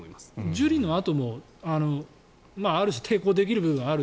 受理のあともある種、抵抗できる部分はある？